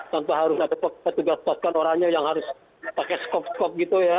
tanpa harus ada petugas pasukan orangnya yang harus pakai skop skop gitu ya